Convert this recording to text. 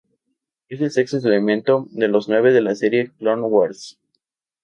Es el sexto elemento de los nueve de la serie Clone Wars.